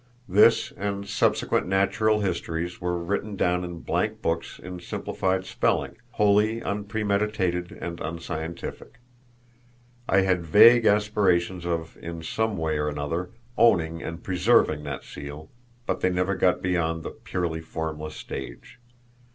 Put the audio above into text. This, and subsequent natural histories, were written down in blank books in simplified spelling, wholly unpremeditated and unscientific. I had vague aspirations of in some way or another owning and preserving that seal, but they never got beyond the purely formless stage.